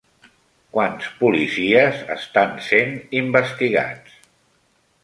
Quants policies estan sent investigats?